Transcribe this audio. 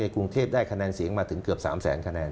กรุงเทพได้คะแนนเสียงมาถึงเกือบ๓แสนคะแนน